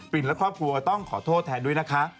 และครอบครัวต้องขอโทษแทนด้วยนะคะ